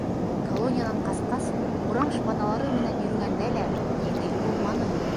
Колониянан ҡасҡас урам шпаналары менән йөрөгәндә лә еңел булманы.